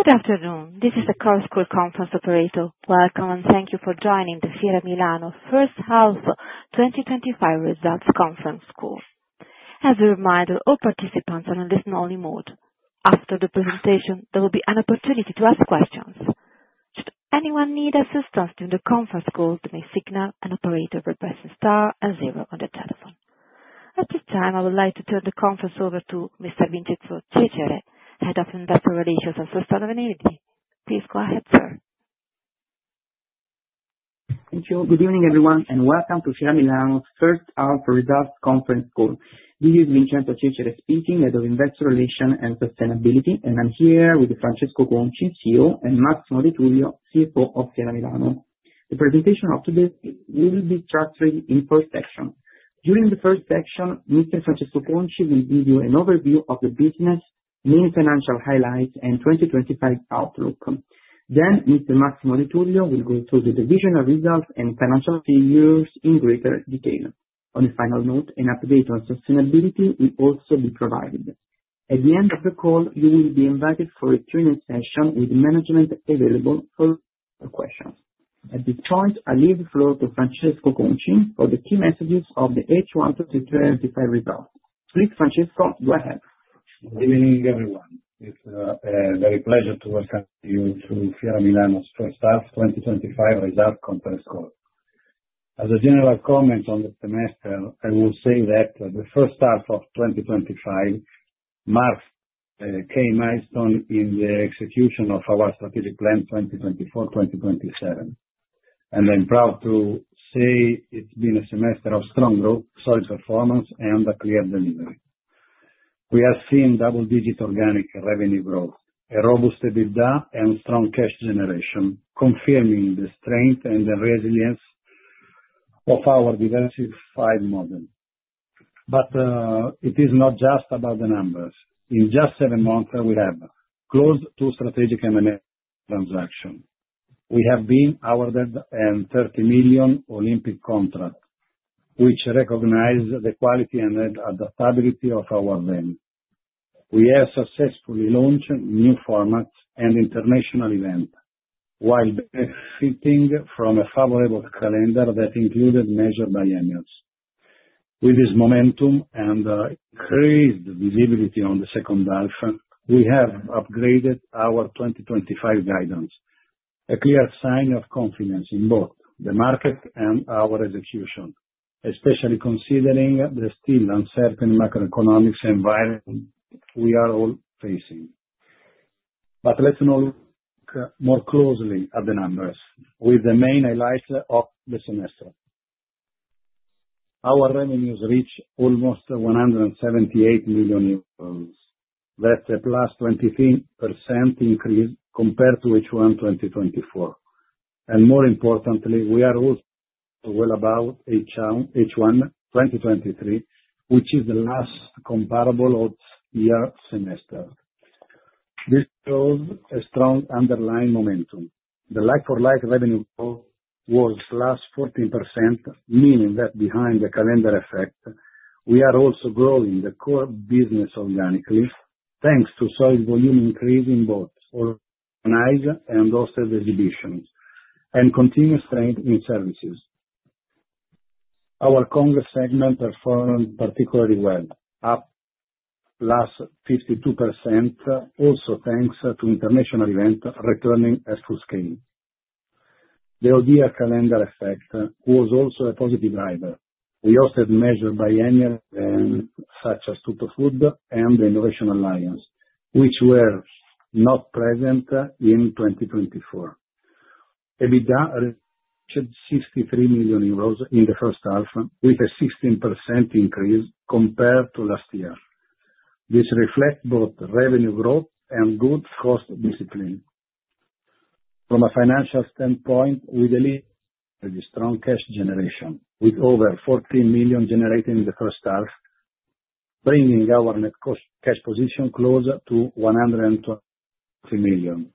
Good afternoon. This is the Carrus conference operator. Welcome, and thank you for joining the Fiera Milano First Half 2025 Results Conference Call. As a reminder, all participants are in listen-only mode. After the presentation, there will be an opportunity to ask questions. Should anyone need assistance during the conference call, they may signal an operator and press the star and zero on the telephone. At this time, I would like to turn the conference over to Mr. Vincenzo Cecere, Head of Investor Relations and Sustainability. Please go ahead, sir. Thank you. Good evening, everyone, and welcome to Fiera Milano First Half Results Conference Call. This is Vincenzo Cecere speaking, Head of Investor Relations and Sustainability, and I'm here with Francesco Conci, CEO, and Massimo De Tullio, CFO of Fiera Milano. The presentation of today will be structured in four sections. During the first section, Mr. Francesco Conci will give you an overview of the business, main financial highlights, and 2025 outlook. Then, Mr. Massimo De Tullio will go through the divisional results and financial figures in greater detail. On a final note, an update on sustainability will also be provided. At the end of the call, you will be invited for a Q&A session with management available for questions. At this point, I leave the floor to Francesco Conci for the key messages of the H1 to 2025 results. Please, Francesco, go ahead. Good evening, everyone. It's a very pleasure to welcome you to Fiera Milano's First Half 2025 Results Conference Call. As a general comment on the semester, I will say that the first half of 2025 marks a key milestone in the execution of our strategic plan 2024-2027. I'm proud to say it's been a semester of strong growth, solid performance, and a clear delivery. We have seen double-digit organic revenue growth, a robust EBITDA, and strong cash generation, confirming the strength and the resilience of our diversified model. It is not just about the numbers. In just seven months, we have closed two strategic M&A transactions. We have been awarded a 30 million Olympic contract, which recognized the quality and adaptability of our value. We have successfully launched new formats and international events, while benefiting from a favorable calendar that included major biennials. With this momentum and increased visibility on the second half, we have upgraded our 2025 guidance, a clear sign of confidence in both the market and our execution, especially considering the still uncertain macroeconomic environment we are all facing. Let's now look more closely at the numbers, with the main highlights of the semester. Our revenues reached almost 178 million euros. That's a +23% increase compared to H1 2024. More importantly, we are also well above H1 2023, which is the last comparable odd year semester. This shows a strong underlying momentum. The like-for-like revenue growth was +14%, meaning that behind the calendar effect, we are also growing the core business organically, thanks to solid volume increase in both organized and hosted exhibitions and continuous trade in services. Our Congress segment performed particularly well, up +52%, also thanks to international events returning at full scale. The ODR calendar effect was also a positive driver. We hosted major biennials such as TuttoFood and the Innovation Alliance, which were not present in 2024. EBITDA reached 63 million euros in the first half, with a 16% increase compared to last year. This reflects both revenue growth and good cost discipline. From a financial standpoint, we delivered a strong cash generation, with over 14 million generated in the first half, bringing our net cash position closer to 120 million.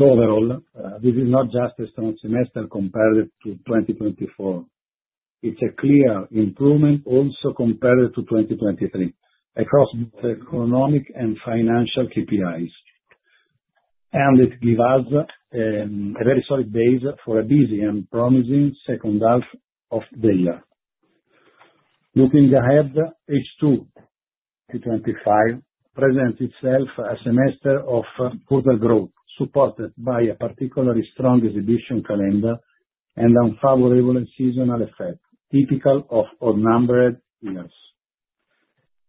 Overall, this is not just a strong semester compared to 2024. It is a clear improvement also compared to 2023 across both economic and financial KPIs. It gives us a very solid base for a busy and promising second half of the year. Looking ahead, H2 2025 presents itself as a semester of further growth, supported by a particularly strong exhibition calendar and unfavorable seasonal effect, typical of outnumbered years.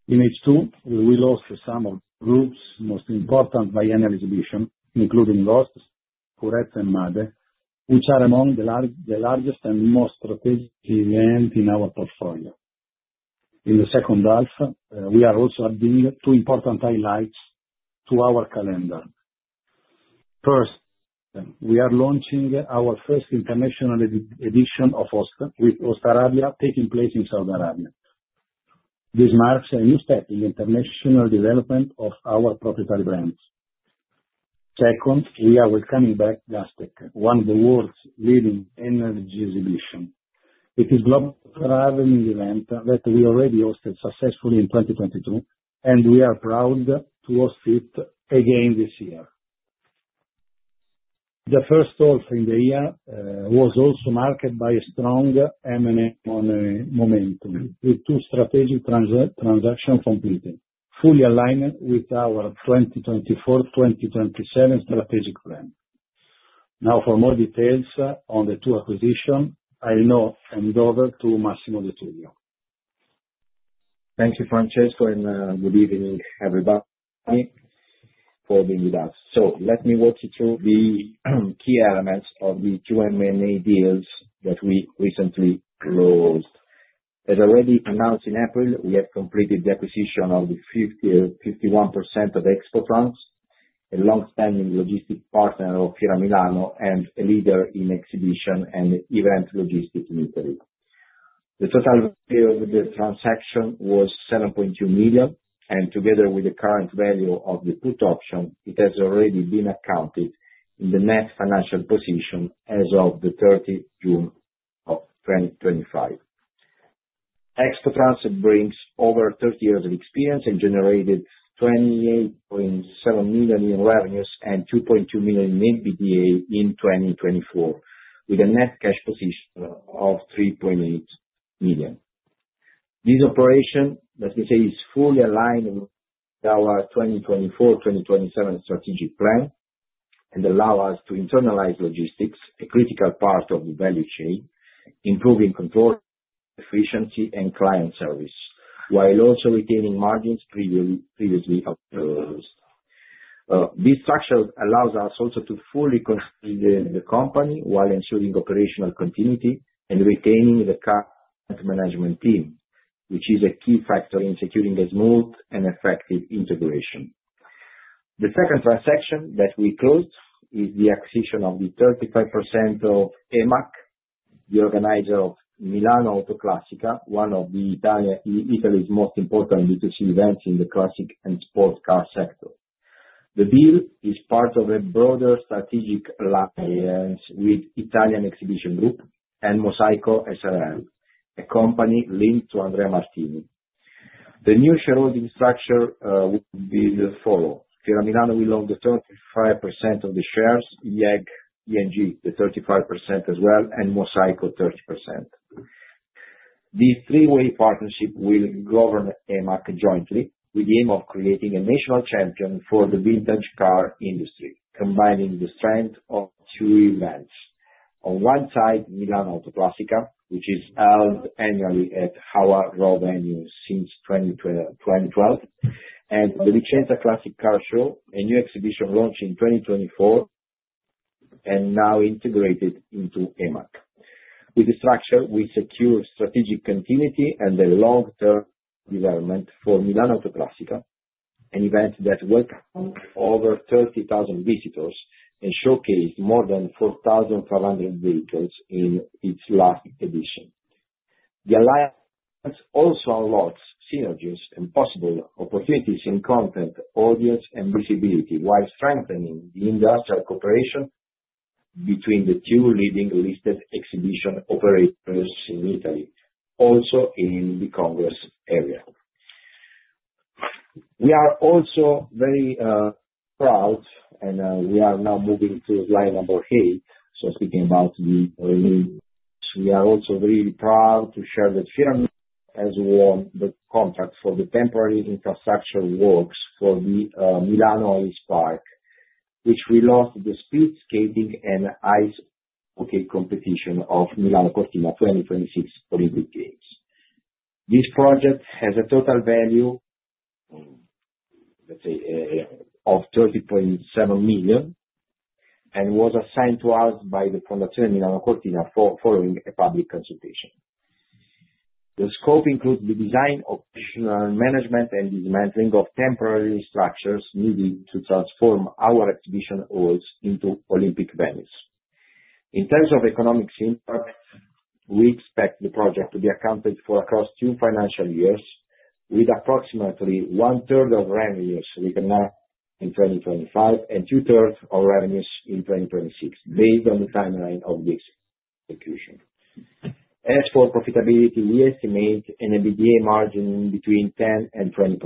In H2, we lost some of the group's most important biennial exhibitions, including Host, CPhI, and MADE, which are among the largest and most strategic events in our portfolio. In the second half, we are also adding two important highlights to our calendar. First, we are launching our first international edition of OSTA, with OSTA Arabia taking place in Saudi Arabia. This marks a new step in the international development of our proprietary brands. Second, we are welcoming back Gastec, one of the world's leading energy exhibitions. It is a global traveling event that we already hosted successfully in 2022, and we are proud to host it again this year. The first OSTA in the year was also marked by a strong M&A momentum, with two strategic transactions completed, fully aligned with our 2024-2027 strategic plan. Now, for more details on the two acquisitions, I'll now hand over to Massimo De Tullio. Thank you, Francesco, and good evening, everybody, for being with us. Let me walk you through the key elements of the M&A deals that we recently closed. As already announced in April, we have completed the acquisition of 51% of ExpoFrance, a long-standing logistics partner of Fiera Milano and a leader in exhibition and event logistics in Italy. The total value of the transaction was 7.2 million, and together with the current value of the put option, it has already been accounted in the net financial position as of 30 June 2025. ExpoFrance brings over 30 years of experience and generated 28.7 million in revenues and 2.2 million in EBITDA in 2024, with a net cash position of 3.8 million. This operation, let me say, is fully aligned with our 2024-2027 strategic plan and allows us to internalize logistics, a critical part of the value chain, improving control, efficiency, and client service, while also retaining margins previously closed. This structure allows us also to fully consider the company while ensuring operational continuity and retaining the current management team, which is a key factor in securing a smooth and effective integration. The second transaction that we closed is the acquisition of the 35% of EMAC, the organizer of Milano AutoClassica, one of Italy's most important B2C events in the classic and sports car sector. The deal is part of a broader strategic alliance with Italian Exhibition Group and Mosaico s.r.l., a company linked to Andrea Martini. The new shareholding structure will be the following. Fiera Milano will own the 35% of the shares, Italian Exhibition Group the 35% as well, and Mosaico 30%. This three-way partnership will govern EMAC jointly with the aim of creating a national champion for the vintage car industry, combining the strength of two events. On one side, Milano AutoClassica, which is held annually at Rho venue since 2012, and the Vicenza Classic Car Show, a new exhibition launched in 2024 and now integrated into EMAC. With this structure, we secure strategic continuity and a long-term development for Milano AutoClassica, an event that welcomed over 30,000 visitors and showcased more than 4,500 vehicles in its last edition. The alliance also unlocks synergies and possible opportunities in content, audience, and visibility, while strengthening the industrial cooperation between the two leading listed exhibition operators in Italy, also in the congress area. We are also very proud, and we are now moving to slide number eight. Speaking about the release, we are also really proud to share that Fiera Milano has won the contract for the temporary infrastructure works for the Milano Ice Park, which we lost the speed skating and ice hockey competition of Milano Cortina 2026 Olympic Games. This project has a total value, let's say, of 30.7 million and was assigned to us by the Fondazione Milano Cortina following a public consultation. The scope includes the design, operational management, and dismantling of temporary structures needed to transform our exhibition halls into Olympic venues. In terms of economic impact, we expect the project to be accounted for across two financial years, with approximately one-third of revenues returned in 2025 and two-thirds of revenues in 2026, based on the timeline of this execution. As for profitability, we estimate an EBITDA margin between 10% and 20%,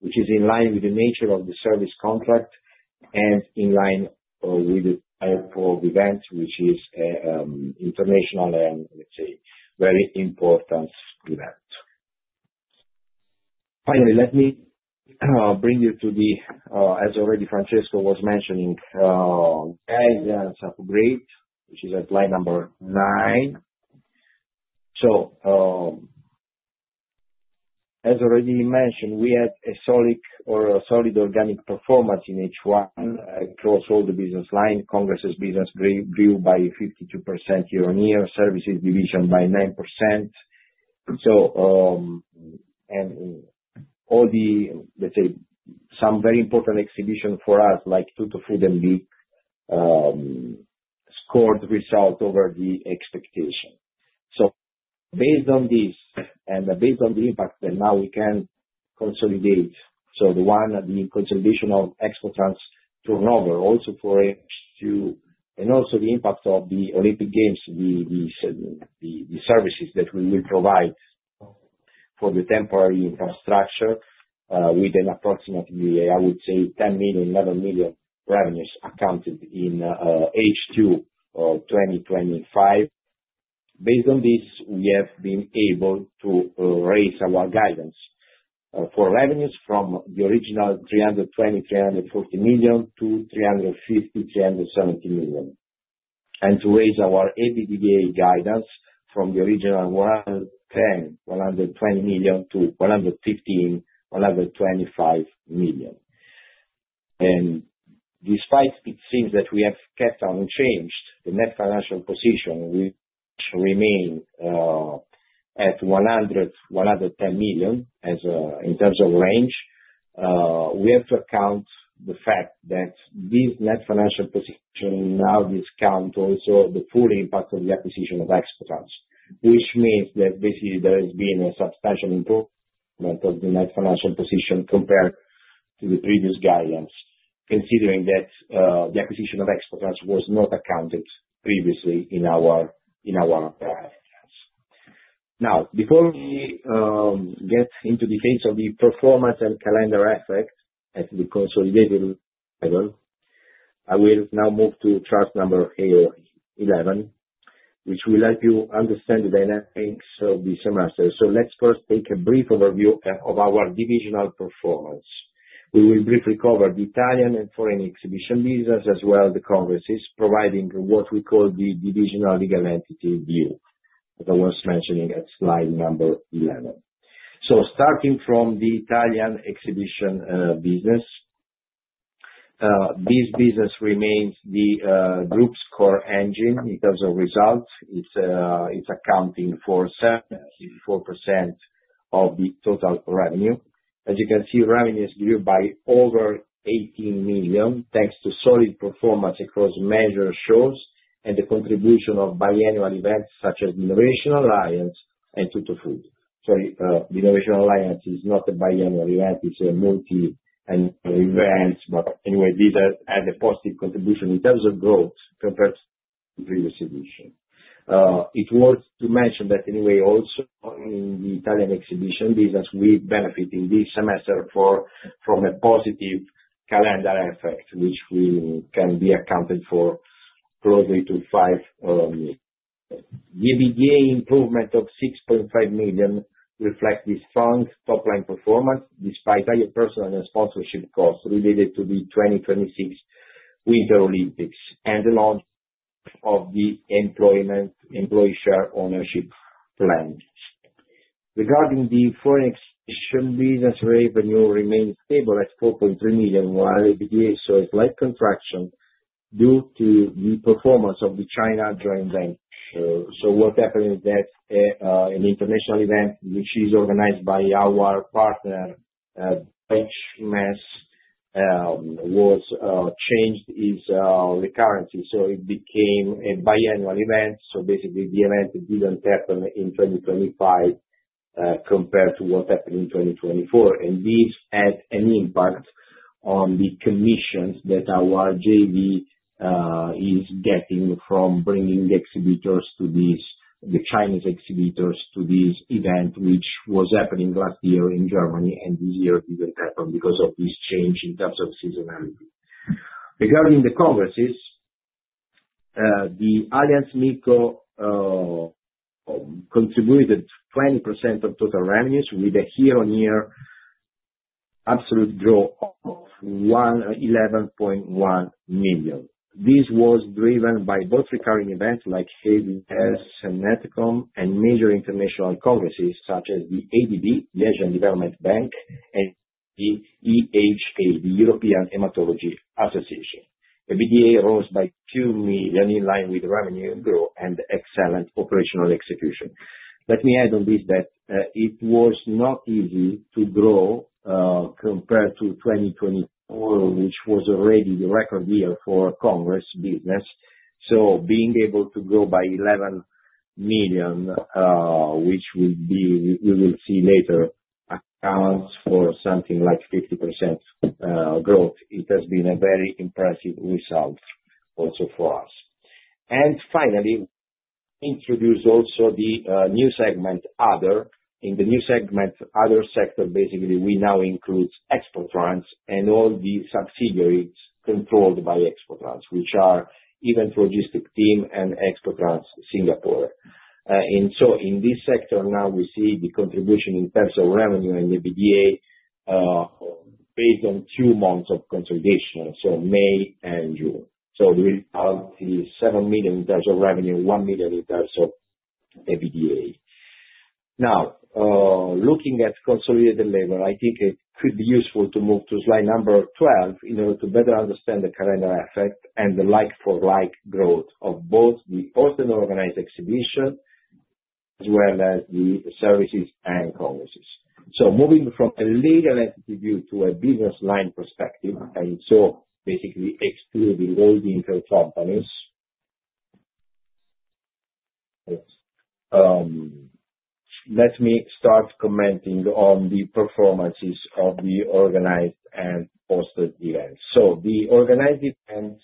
which is in line with the nature of the service contract and in line with the type of event, which is an international and, let's say, very important event. Finally, let me bring you to the, as already Francesco was mentioning, guidance upgrade, which is at slide number nine. As already mentioned, we had a solid organic performance in H1 across all the business lines. Congresses business grew by 52% year-on-year, services division by 9%. All the, let's say, some very important exhibitions for us, like TuttoFood and BIT, scored results over the expectation. Based on this and based on the impact that now we can consolidate, so the one of the consolidation of ExpoFrance turnover, also for H2, and also the impact of the Olympic Games, the services that we will provide for the temporary infrastructure with an approximately, I would say, 10 million-11 million revenues accounted in H2 2025. Based on this, we have been able to raise our guidance for revenues from the original 320 million-340 million to 350 million-370 million, and to raise our EBITDA guidance from the original 110 million-120 million to 115 million-125 million. Despite it seems that we have kept unchanged the net financial position, which remains at 100 million-110 million in terms of range, we have to account for the fact that this net financial position now discounts also the full impact of the acquisition of ExpoFrance, which means that basically there has been a substantial improvement of the net financial position compared to the previous guidance, considering that the acquisition of ExpoFrance was not accounted previously in our guidance. Now, before we get into the phase of the performance and calendar effect at the consolidated level, I will now move to chart number 11, which will help you understand the dynamics of the semester. Let's first take a brief overview of our divisional performance. We will briefly cover the Italian and foreign exhibition business, as well as the Congresses, providing what we call the divisional legal entity view, as I was mentioning at slide number 11. Starting from the Italian exhibition business, this business remains the group's core engine in terms of results. It is accounting for 74% of the total revenue. As you can see, revenues grew by over 18 million, thanks to solid performance across major shows and the contribution of biennial events such as the Innovation Alliance and TuttoFood. Sorry, the Innovation Alliance is not a biennial event. It is a multi-annual event, but anyway, this has a positive contribution in terms of growth compared to the previous edition. It is worth to mention that anyway, also in the Italian exhibition business, we benefit in this semester from a positive calendar effect, which can be accounted for closely to 5 million. The EBITDA improvement of 6.5 million reflects strong top-line performance despite higher personnel and sponsorship costs related to the 2026 Winter Olympics and the launch of the employee share ownership plan. Regarding the foreign exhibition business, revenue remains stable at 4.3 million, while EBITDA shows slight contraction due to the performance of the China joint venture. What happened is that an international event, which is organized by our partner, was changed in its recurrency. It became a biennial event. Basically, the event did not happen in 2025 compared to what happened in 2024. This had an impact on the commissions that our joint venture is getting from bringing the Chinese exhibitors to this event, which was happening last year in Germany, and this year did not happen because of this change in terms of seasonality. Regarding the Congresses, the Allianz MiCo contributed 20% of total revenues with a year-on-year absolute growth of 11.1 million. This was driven by both recurring events like HAVIS and ETCOM, and major international Congresses such as the ADB, the Asian Development Bank, and the EHA, the European Hematology Association. EBITDA rose by 2 million in line with revenue growth and excellent operational execution. Let me add on this that it was not easy to grow compared to 2024, which was already the record year for Congress business. Being able to grow by 11 million, which we will see later, accounts for something like 50% growth. It has been a very impressive result also for us. Finally, we introduced also the new segment, Other. In the new segment, Other sector, basically, we now include ExpoFrance and all the subsidiaries controlled by ExpoFrance, which are Event Logistics Team and ExpoFrance Singapore. In this sector, now we see the contribution in terms of revenue and EBITDA based on two months of consolidation, May and June. The result is 7 million in terms of revenue, 1 million in terms of EBITDA. Now, looking at consolidated level, I think it could be useful to move to slide number 12 in order to better understand the calendar effect and the like-for-like growth of both the author organized exhibition as well as the services and Congresses. Moving from a legal entity view to a business line perspective, and basically excluding all the intercompanies, let me start commenting on the performances of the organized and hosted events. The organized events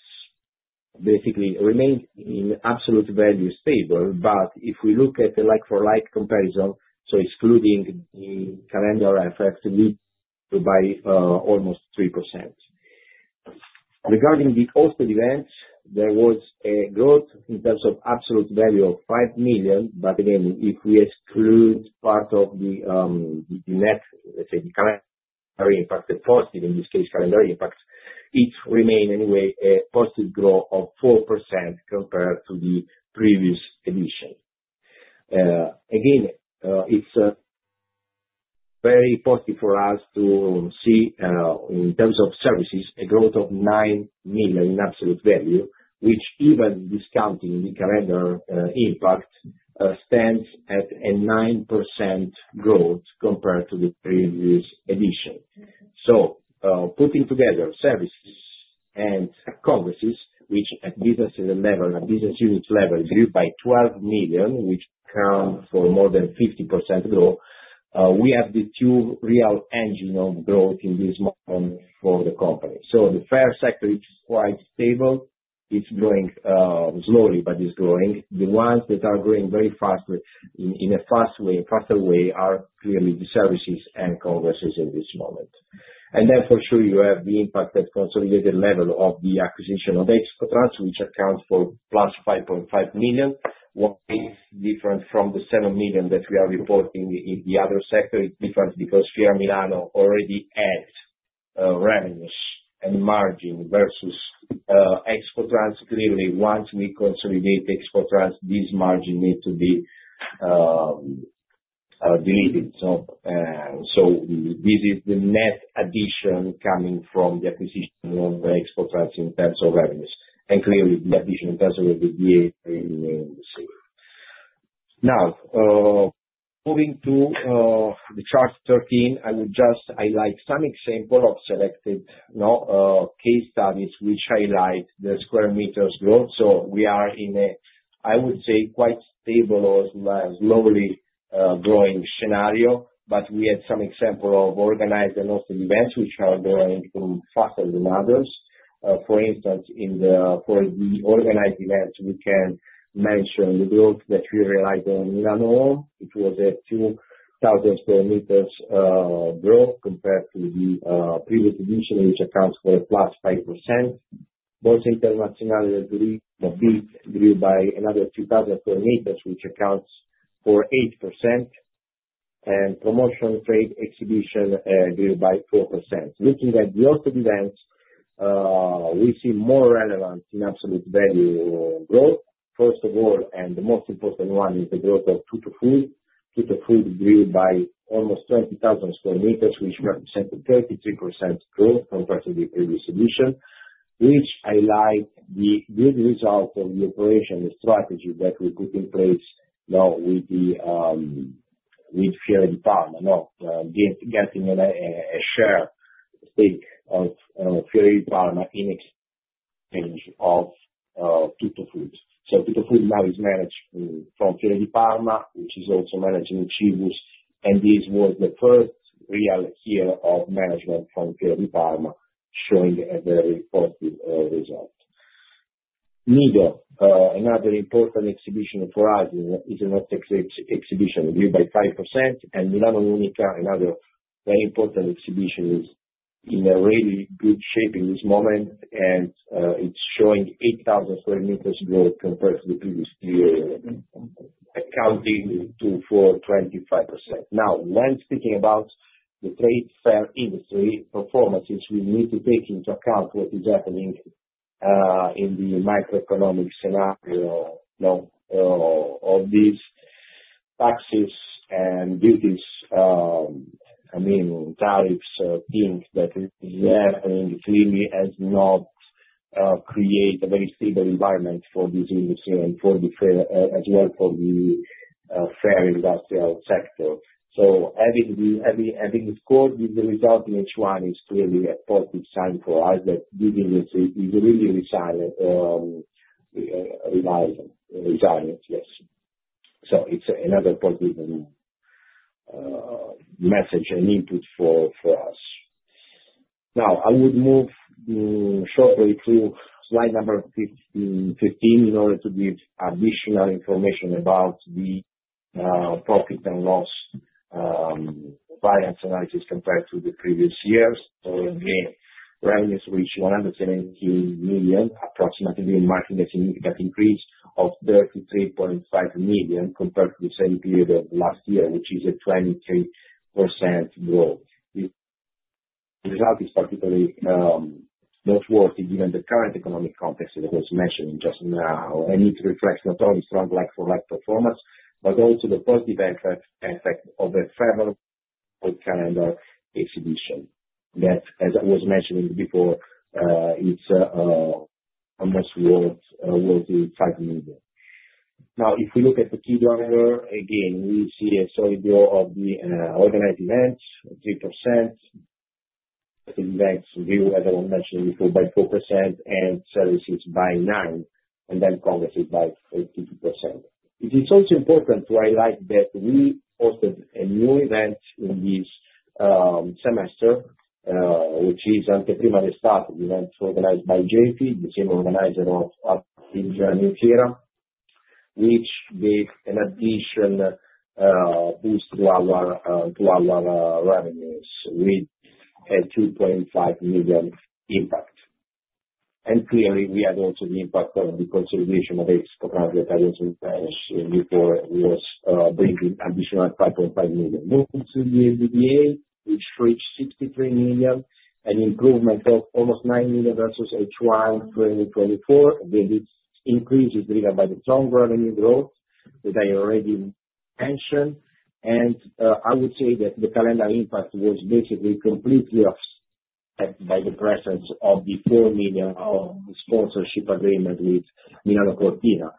basically remained in absolute value stable, but if we look at the like-for-like comparison, excluding the calendar effect, we grew by almost 3%. Regarding the hosted events, there was a growth in terms of absolute value of 5 million, but again, if we exclude part of the net, let's say, the calendar impact, the positive, in this case, calendar impact, it remained anyway a positive growth of 4% compared to the previous edition. Again, it is very positive for us to see in terms of services, a growth of 9 million in absolute value, which even discounting the calendar impact stands at a 9% growth compared to the previous edition. Putting together services and Congresses, which at business level, at business unit level, grew by 12 million, which accounts for more than 50% growth, we have the two real engines of growth in this moment for the company. The fair sector, it's quite stable. It's growing slowly, but it's growing. The ones that are growing very fast in a faster way are clearly the services and Congresses in this moment. For sure, you have the impact at consolidated level of the acquisition of ExpoFrance, which accounts for plus 5.5 million, which is different from the 7 million that we are reporting in the other sector. It's different because Fiera Milano already had revenues and margin versus ExpoFrance. Clearly, once we consolidate ExpoFrance, this margin needs to be deleted. This is the net addition coming from the acquisition of ExpoFrance in terms of revenues. Clearly, the addition in terms of EBITDA remains the same. Now, moving to chart 13, I would just highlight some examples of selected case studies which highlight the square meter growth. We are in a, I would say, quite stable or slowly growing scenario, but we had some examples of organized and hosted events which are growing faster than others. For instance, for the organized events, we can mention the growth that we realized in Milano. It was a 2,000 sq m growth compared to the previous edition, which accounts for +5%. Both international and BIC grew by another 2,000 sq m, which accounts for 8%. Promotion trade exhibition grew by 4%. Looking at the hosted events, we see more relevant in absolute value growth. First of all, and the most important one is the growth of TuttoFood. TuttoFood grew by almost 20,000 sq m, which represents a 33% growth compared to the previous edition, which highlights the good result of the operational strategy that we put in place with Fiera di Parma, getting a share stake of Fiera di Parma in exchange of TuttoFood. TuttoFood now is managed from Fiera di Parma, which is also managing Cibus, and this was the first real year of management from Fiera di Parma showing a very positive result. Nido, another important exhibition, Horizon International Exhibition, grew by 5%. Milano Unica, another very important exhibition, is in really good shape in this moment, and it's showing 8,000 sq m growth compared to the previous year, accounting for 25%. Now, when speaking about the trade fair industry performances, we need to take into account what is happening in the macroeconomic scenario of these taxes and duties, I mean, tariffs, things that are happening. Clearly, it has not created a very stable environment for this industry and as well for the fair industrial sector. Having scored with the result in H1 is clearly a positive sign for us that this industry is really resilient. Yes. It is another positive message and input for us. Now, I would move shortly to slide number 15 in order to give additional information about the profit and loss finance analysis compared to the previous years. Again, revenues reached EUR 117 million, approximately, marking a significant increase of 33.5 million compared to the same period of last year, which is a 23% growth. The result is particularly noteworthy given the current economic context that was mentioned just now. It reflects not only strong like-for-like performance, but also the positive effect of a fair calendar exhibition that, as I was mentioning before, is almost worth EUR 5 million. Now, if we look at the key driver, again, we see a solid growth of the organized events, 3%. The events grew, as I mentioned before, by 4%, and services by 9%, and then congresses by 52%. It is also important to highlight that we hosted a new event in this semester, which is Anteprima Restarted, an event organized by JV, the same organizer of Africa Fiera Milano Fiera, which gave an additional boost to our revenues with a 2.5 million impact. We also had the impact of the consolidation of ExpoFrance, which I also mentioned before, bringing an additional 5.5 million. Moving to the EBITDA, which reached 63 million, an improvement of almost 9 million versus H1 2024. Again, this increase is driven by the strong revenue growth that I already mentioned. I would say that the calendar impact was basically completely offset by the presence of the 4 million sponsorship agreement with Fondazione Milano Cortina,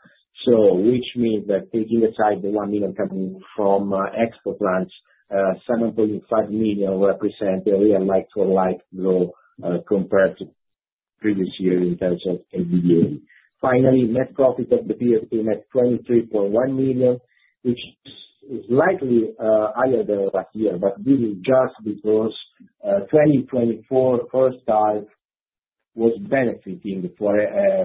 which means that taking aside the 1 million coming from ExpoFrance, 7.5 million represents a real like-for-like growth compared to previous years in terms of EBITDA. Finally, net profit of the period came at 23.1 million, which is slightly higher than last year, but this is just because 2024 first half was benefiting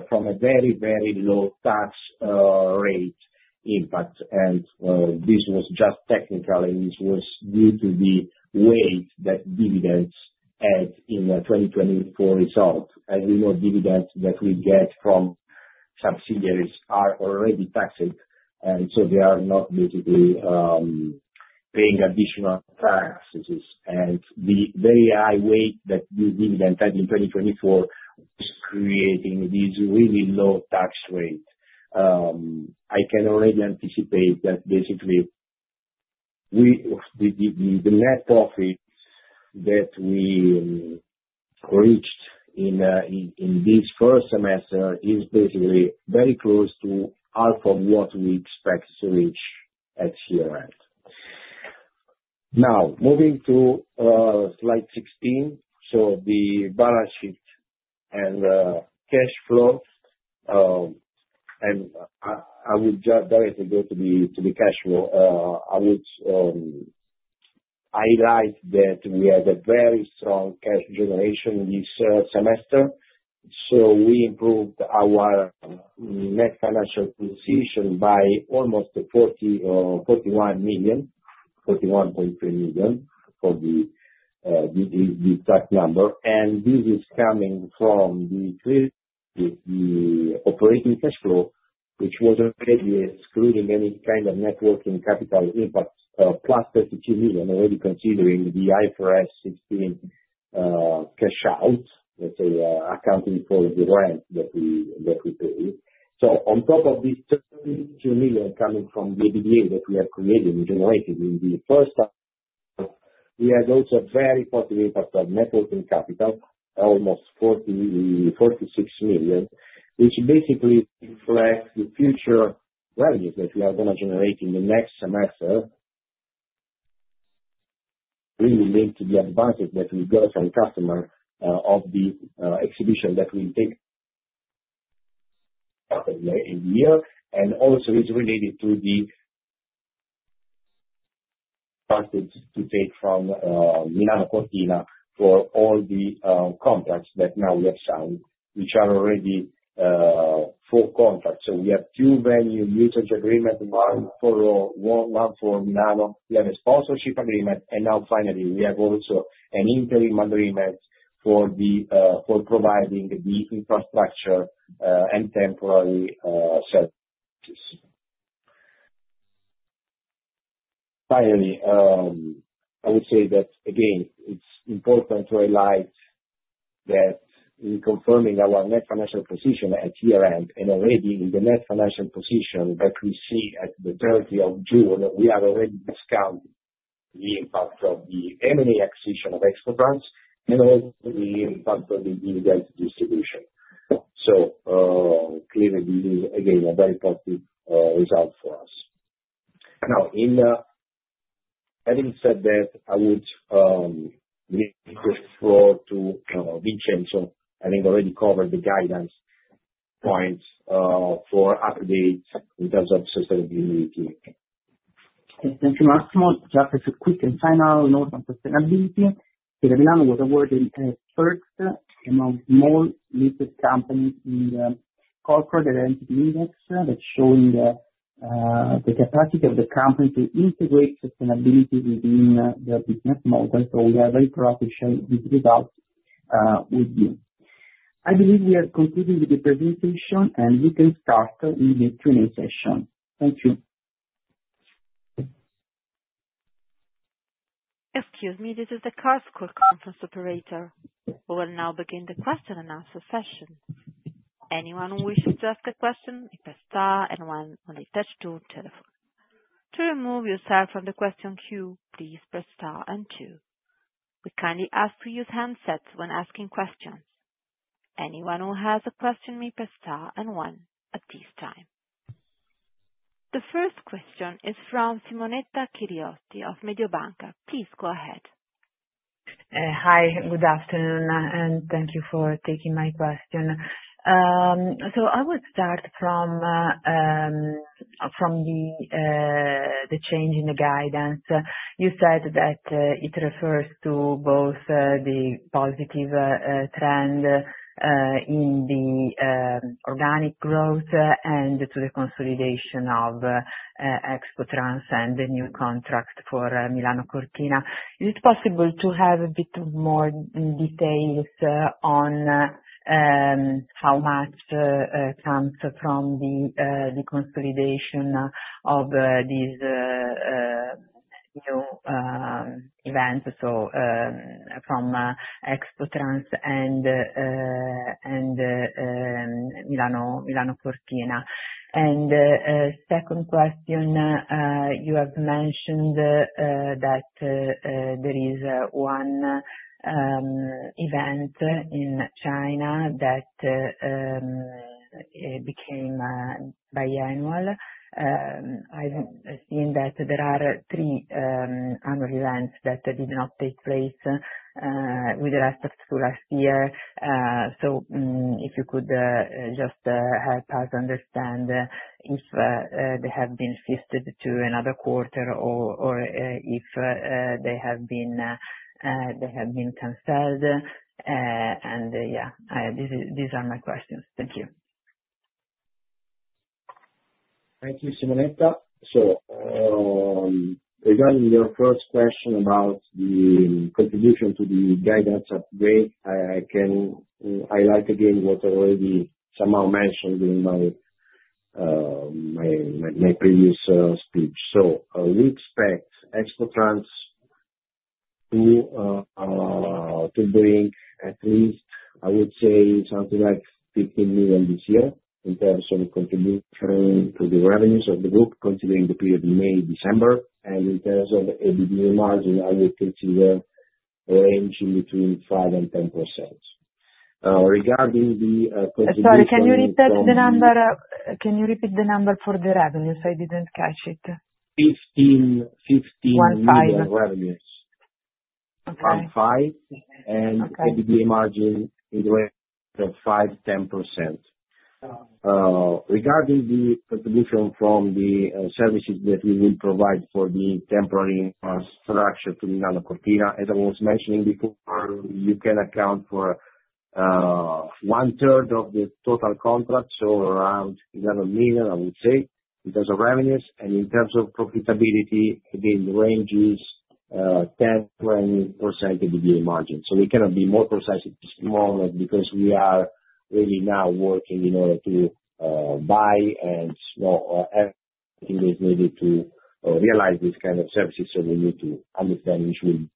from a very, very low tax rate impact. This was just technical, and this was due to the weight that dividends had in the 2024 result. As we know, dividends that we get from subsidiaries are already taxed, and so they are not basically paying additional taxes. The very high weight that these dividends had in 2024 was creating this really low tax rate. I can already anticipate that basically the net profit that we reached in this first semester is basically very close to half of what we expect to reach at year-end. Now, moving to slide 16, the balance sheet and cash flow. I would just directly go to the cash flow. I would highlight that we had a very strong cash generation this semester. We improved our net financial position by almost 41 million, 41.3 million for the exact number. This is coming from the operating cash flow, which was already excluding any kind of net working capital impact, plus 32 million, already considering the IFRS 16 cash-out, let's say, accounting for the rent that we pay. On top of this EUR 32 million coming from the EBITDA that we have created and generated in the first half, we had also a very positive impact of net working capital, almost 46 million, which basically reflects the future revenues that we are going to generate in the next semester, really linked to the advances that we got from customers of the exhibition that we did in the year. It is also related to the advances to take from Fondazione Milano Cortina for all the contracts that now we have signed, which are already full contracts. We have two venue usage agreements, one for Milan. We have a sponsorship agreement, and now finally, we have also an interim agreement for providing the infrastructure and temporary services. Finally, I would say that, again, it's important to highlight that in confirming our net financial position at year-end, and already in the net financial position that we see at the 30th of June, we are already discounting the impact of the M&A acquisition of ExpoFrance and also the impact of the dividends distribution. Clearly, this is, again, a very positive result for us. Now, having said that, I would leave the floor to Vincenzo. I think I already covered the guidance points for updates in terms of sustainability. Thank you, Massimo. Just as a quick and final note on sustainability, Fiera Milano was awarded as first among small listed companies in the corporate identity index that's showing the capacity of the company to integrate sustainability within their business model. We are very proud to share these results with you. I believe we are concluding with the presentation, and we can start in the Q&A session. Thank you. Excuse me, this is the Carrus Conference operator. We will now begin the question and answer session. Anyone who wishes to ask a question may press star and 1 when they touch two telephones. To remove yourself from the question queue, please press star and 2. We kindly ask to use handsets when asking questions. Anyone who has a question may press star and 1 at this time. The first question is from Simonetta Chiriotti of Mediobanca. Please go ahead. Hi, good afternoon, and thank you for taking my question. I would start from the change in the guidance. You said that it refers to both the positive trend in the organic growth and to the consolidation of ExpoFrance and the new contract for Milano Cortina. Is it possible to have a bit more details on how much comes from the consolidation of these new events, from ExpoFrance and Milano Cortina? Second question, you have mentioned that there is one event in China that became biennial. I've seen that there are three annual events that did not take place with respect to last year. If you could just help us understand if they have been shifted to another quarter or if they have been canceled. These are my questions. Thank you. Thank you, Simonetta. Regarding your first question about the contribution to the guidance upgrade, I can highlight again what I already somehow mentioned in my previous speech. We expect ExpoFrance to bring at least, I would say, something like 15 million this year in terms of contributing to the revenues of the group, considering the period May-December. In terms of EBITDA margin, I would consider a range between 5%-10%. Regarding the contribution to the guidance. Sorry, can you repeat the number? Can you repeat the number for the revenues? I did not catch it. 15 million revenues. Okay. And EBITDA margin in the range of 5%-10%. Regarding the contribution from the services that we will provide for the temporary infrastructure to Milano Cortina, as I was mentioning before, you can account for one-third of the total contracts, so around 11 million, I would say, in terms of revenues. In terms of profitability, again, the range is 10%-20% EBITDA margin. We cannot be more precise at this moment because we are really now working in order to buy and sell everything that is needed to realize these kinds of services. We need to understand which will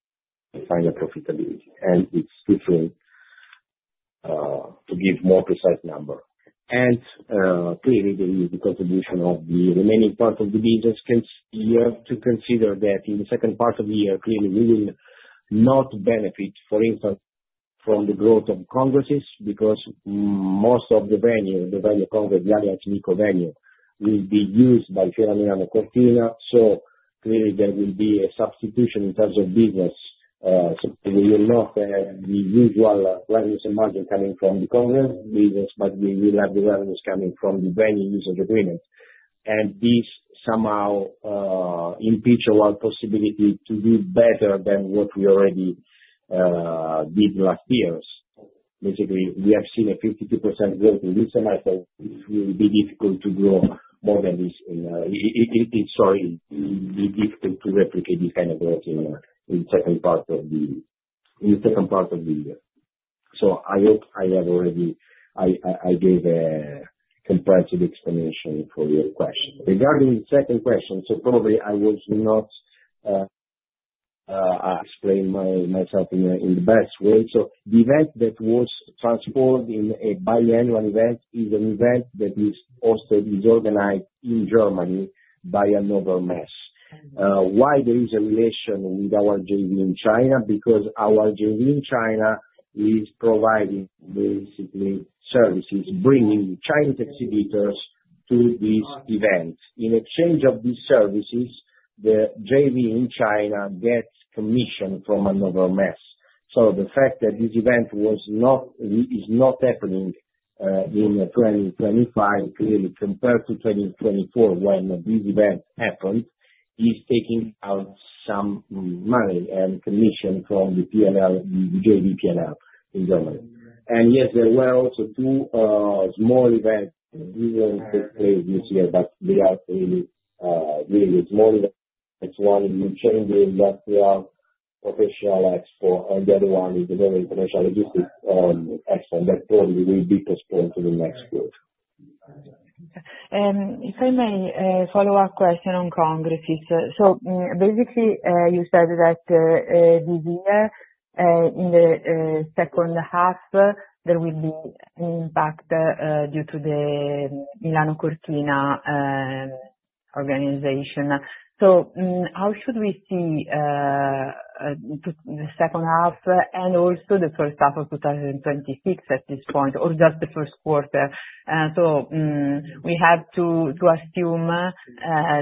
define the profitability. It is difficult to give a more precise number. Clearly, the contribution of the remaining part of the business can be considered that in the second part of the year, we will not benefit, for instance, from the growth of congresses because most of the venue, the Venue Congress, the Allianz MiCo venue, will be used by Fondazione Milano Cortina. Clearly, there will be a substitution in terms of business. We will not have the usual revenues and margin coming from the congress business, but we will have the revenues coming from the venue usage agreement. This somehow impedes our possibility to do better than what we already did last year. Basically, we have seen a 52% growth in this semester. It will be difficult to grow more than this. Sorry, it will be difficult to replicate this kind of growth in the second part of the year. I hope I have already given a comprehensive explanation for your question. Regarding the second question, probably I was not explaining myself in the best way. The event that was transformed into a biennial event is an event that is organized in Germany by Messe. Why is there a relation with our JV in China? Because our JV in China is providing basically services, bringing Chinese exhibitors to these events. In exchange for these services, the JV in China gets commission from Messe. The fact that this event is not happening in 2025, clearly, compared to 2024 when this event happened, is taking out some money and commission from the JV P&L in Germany. Yes, there were also two small events that did not take place this year, but they are really small events. One is the Change Industrial Professional Expo, and the other one is the International Logistics Expo that probably will be postponed to the next year. If I may follow up a question on congresses. Basically, you said that this year, in the second half, there will be an impact due to the Milano Cortina organization. How should we see the second half and also the first half of 2026 at this point, or just the first quarter? We have to assume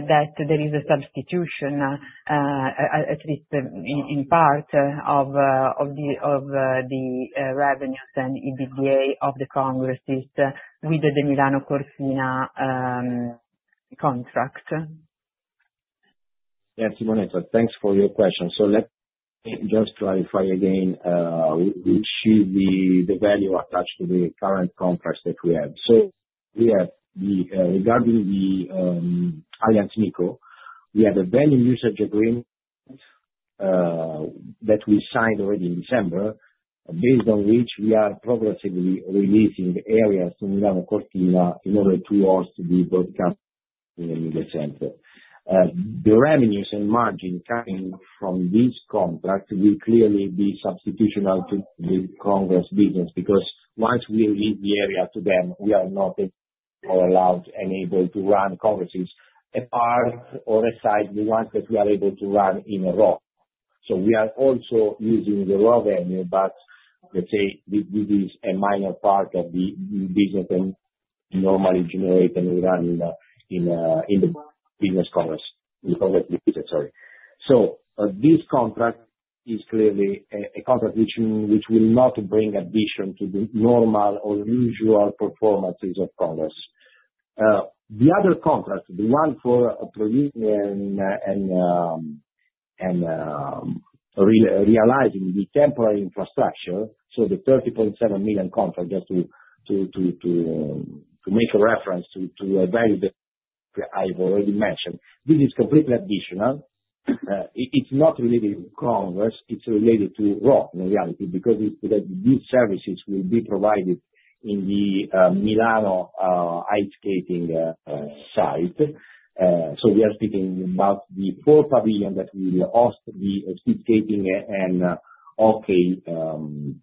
that there is a substitution, at least in part, of the revenues and EBITDA of the congresses with the Milano Cortina contract. Yeah, Simonetta, thanks for your question. Let me just clarify again which should be the value attached to the current contracts that we have. Regarding the Allianz MiCo, we have a venue usage agreement that we signed already in December, based on which we are progressively releasing areas in Milano Cortina in order to host the broadcast in the center. The revenues and margin coming from this contract will clearly be substitutional to the Congress business because once we release the area to them, we are not allowed and able to run congresses apart or aside from the ones that we are able to run in a row. We are also using the raw venue, but let's say this is a minor part of the business and normally generate and run in the business congress. We call it the business, sorry. This contract is clearly a contract which will not bring addition to the normal or usual performances of congress. The other contract, the one for realizing the temporary infrastructure, so the 30.7 million contract, just to make a reference to a value that I've already mentioned, this is completely additional. It's not related to Congresses. It's related to Rho, in reality, because these services will be provided in the Milano ice skating site. We are speaking about the four pavilions that will host the speed skating and hockey too,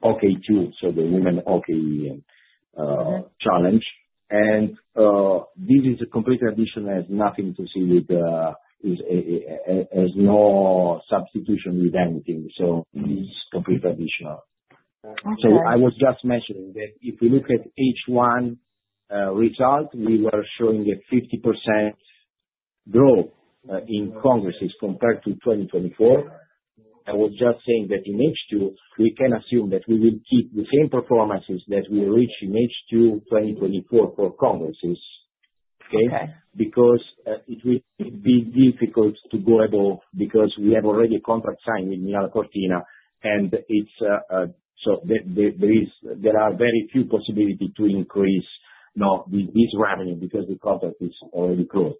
the women's hockey challenge. This is completely additional, has nothing to see with it, has no substitution with anything. It's completely additional. I was just mentioning that if we look at H1 result, we were showing a 50% growth in Congresses compared to 2024. I was just saying that in H2, we can assume that we will keep the same performances that we reached in H2 2024 for Congresses, okay? Because it will be difficult to go above because we have already a contract signed with Fondazione Milano Cortina, and so there are very few possibilities to increase this revenue because the contract is already closed.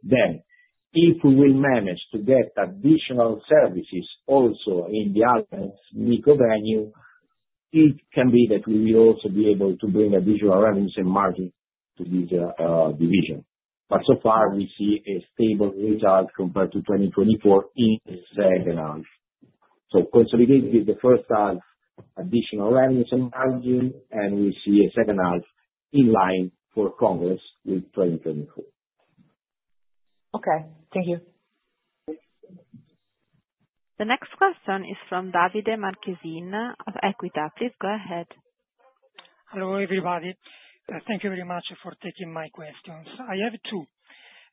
If we will manage to get additional services also in the Allianz MiCo venue, it can be that we will also be able to bring additional revenues and margin to this division. So far, we see a stable result compared to 2024 in the second half. Consolidate with the first half, additional revenues and margin, and we see a second half in line for Congress with 2024. Okay. Thank you. The next question is from Davide Marchesin of Equita. Please go ahead. Hello, everybody. Thank you very much for taking my questions. I have two.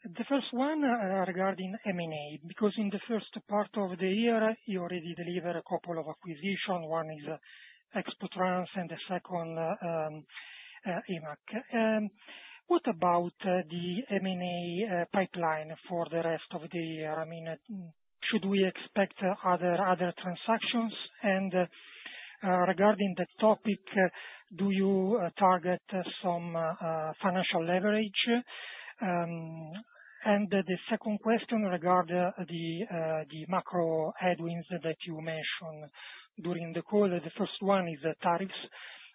The first one regarding M&A because in the first part of the year, you already delivered a couple of acquisitions. One is ExpoFrance and the second EMAC. What about the M&A pipeline for the rest of the year? I mean, should we expect other transactions? Regarding the topic, do you target some financial leverage? The second question regarding the macro headwinds that you mentioned during the call, the first one is tariffs.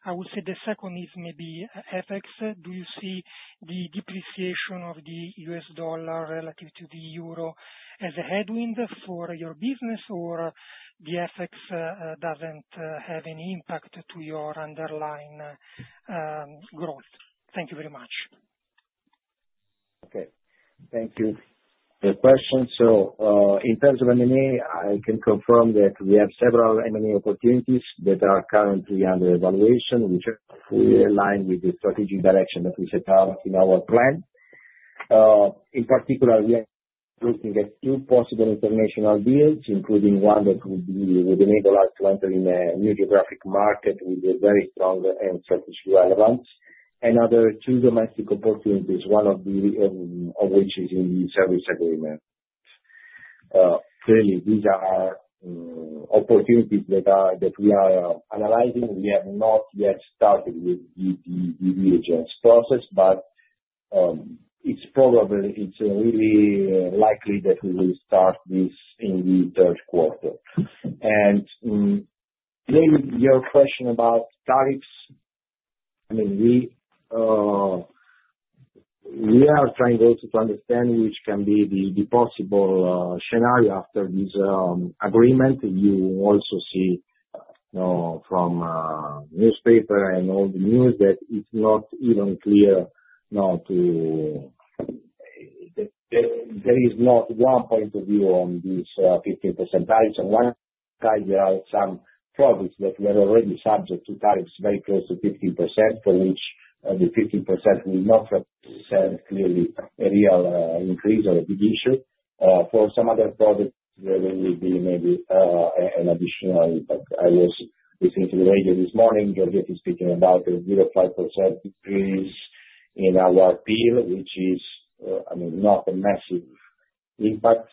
I would say the second is maybe FX. Do you see the depreciation of the U.S. dollar relative to the euro as a headwind for your business, or the FX does not have any impact on your underlying growth? Thank you very much. Okay. Thank you for the question. In terms of M&A, I can confirm that we have several M&A opportunities that are currently under evaluation, which are fully aligned with the strategic direction that we set out in our plan. In particular, we are looking at two possible international deals, including one that would enable us to enter in a new geographic market with very strong and strategic relevance, and other two domestic opportunities, one of which is in the service agreement. Clearly, these are opportunities that we are analyzing. We have not yet started with the due diligence process, but it's probably really likely that we will start this in the third quarter. Maybe your question about tariffs, I mean, we are trying also to understand which can be the possible scenario after this agreement. You also see from newspapers and all the news that it's not even clear now to there is not one point of view on these 15% tariffs. On one side, there are some products that were already subject to tariffs very close to 15%, for which the 15% will not represent clearly a real increase or a big issue. For some other products, there will be maybe an additional impact. I was listening to the radio this morning. Georgette is speaking about a 0.5% increase in our PIL, which is, I mean, not a massive impact.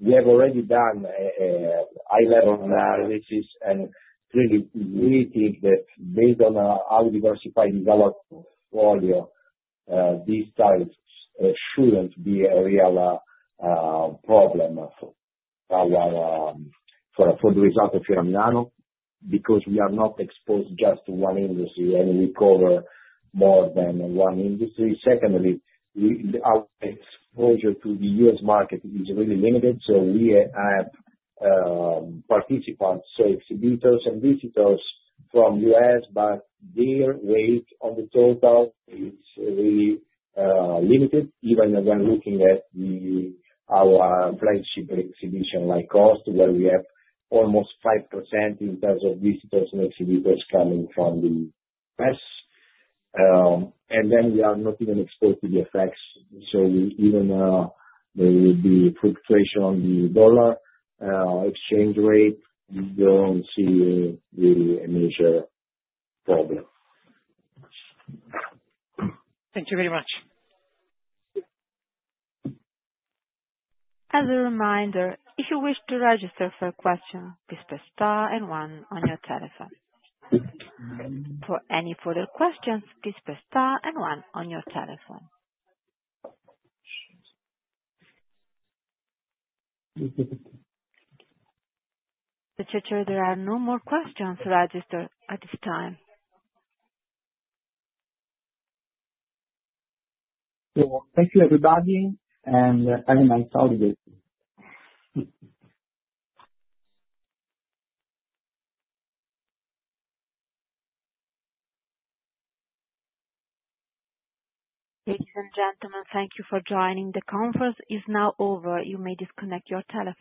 We have already done high-level analysis, and clearly, we think that based on how diversified is our portfolio, these tariffs shouldn't be a real problem for the result of Fiera Milano because we are not exposed just to one industry, and we cover more than one industry. Secondly, our exposure to the U.S. market is really limited. We have participants, so exhibitors and visitors from the U.S., but their weight on the total is really limited, even when looking at our flagship exhibition like Cosmoprof, where we have almost 5% in terms of visitors and exhibitors coming from the U.S. We are not even exposed to the FX, so even if there will be fluctuation on the dollar exchange rate, we do not see really a major problem. Thank you very much. As a reminder, if you wish to register for a question, please press star and one on your telephone. For any further questions, please press star and one on your telephone. There are no more questions registered at this time. Thank you, everybody, and have a nice holiday. Ladies and gentlemen, thank you for joining. The conference is now over. You may disconnect your telephone.